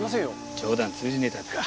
冗談通じねえタイプか。